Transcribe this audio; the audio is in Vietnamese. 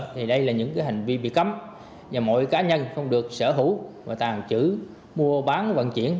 thì đây là những hành vi bị cấm và mỗi cá nhân không được sở hữu và tàn trữ mua bán vận chuyển